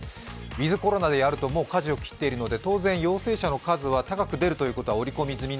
ウィズ・コロナであると、もうかじを切ってあるので当然、陽性者の数は高く出るということは織り込みみ